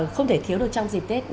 không thể thiếu được trong dịp tết